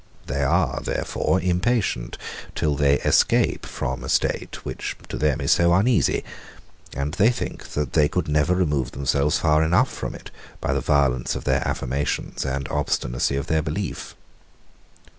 They are, therefore, impatient till they escape from a state, which to them is so uneasy: and they think, that they could never remove themselves far enough from it, by the violence of their affirmations and obstinacy of their belief.